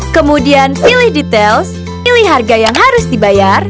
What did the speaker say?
kemudian pilih detail pilih harga yang harus dibayar